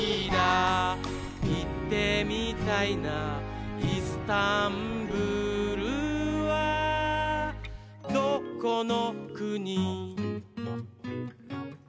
「いってみたいないすタンブールはどこのくに？」